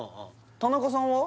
田中さんは？